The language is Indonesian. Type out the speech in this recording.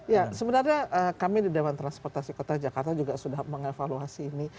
ya sebenarnya kami di dewan transportasi kota jakarta juga sudah mengevaluasi ini